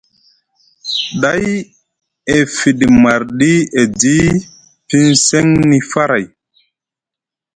Day e fiɗi marɗi edi pin seŋni faray.